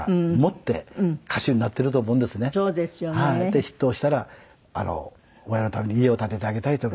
でヒットをしたら親のために家を建ててあげたいとか。